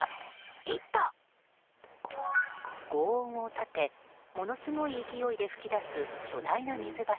轟音を立てものすごい勢いで噴き出す巨大な水柱。